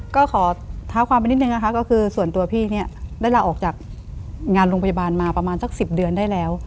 ก็ขอเท้าความไปนิดนึงนะคะก็คือส่วนตัวพี่เนี่ยได้ลาออกจากงานโรงพยาบาลมาประมาณสัก๑๐เดือนได้แล้ว